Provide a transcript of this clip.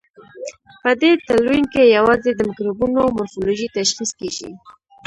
په دې تلوین کې یوازې د مکروبونو مورفولوژي تشخیص کیږي.